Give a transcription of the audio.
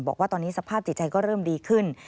บอกว่าตอนนี้สภาพจิตใจก็เริ่มดีขึ้น